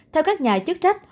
theo các nhà chức trách